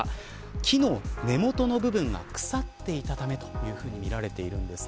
木の根本の部分が腐っていたためとみられています。